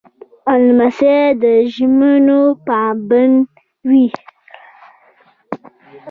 لمسی د ژمنو پابند وي.